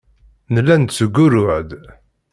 Nella nettgurruɛ-d.